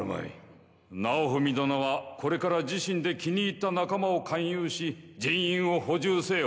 尚文殿はこれから自身で気に入った仲間を勧誘し人員を補充せよ。